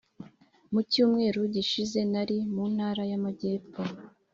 Mucyumweru gishize narindi muntara yamajyepfo